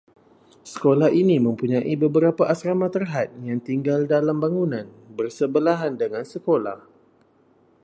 Sekolah ini mempunyai beberapa asrama terhad, yang tinggal dalam bangunan bersebelahan dengan sekolah